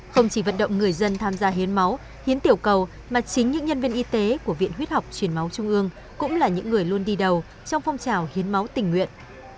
không chỉ vận động người dân tham gia hiến máu hiến tiểu cầu mà chính những nhân viên y tế của viện huyết học truyền máu trung ương cũng là những người luôn đi đầu trong phong trào hiến máu tình nguyện